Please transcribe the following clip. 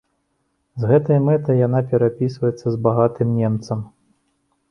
З гэтай мэтай яна перапісваецца з багатым немцам.